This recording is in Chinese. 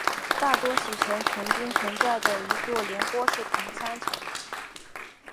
大多喜城曾经存在的一座连郭式平山城。